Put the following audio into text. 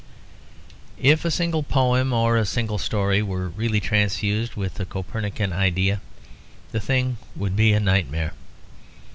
If a single poem or a single story were really transfused with the Copernican idea, the thing would be a nightmare.